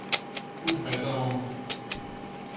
Gute Besserung!